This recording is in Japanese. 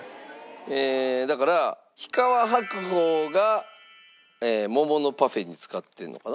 えだから日川白鳳が桃のパフェに使ってるのかな。